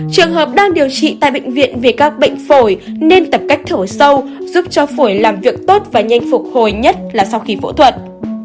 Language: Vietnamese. trường hợp đang điều trị tại bệnh viện vì các bệnh phổi nên tập cách thổi sâu giúp cho phổi làm việc tốt và nhanh phục hồi nhất là sau khi phẫu thuật